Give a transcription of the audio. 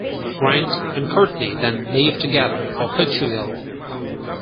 Grant and Courtney then leave together for Portugal.